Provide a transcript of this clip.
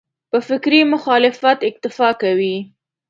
په فکري مخالفت اکتفا کوي.